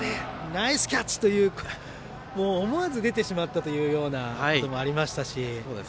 「ナイスキャッチ！」という思わず出てしまったということもありましたし。